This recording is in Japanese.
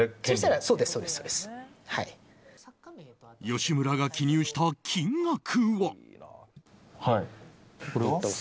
吉村が記入した金額は？